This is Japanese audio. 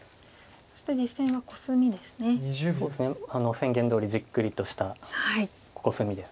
宣言どおりじっくりとしたコスミです。